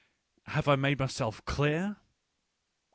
Have I made myself clear? .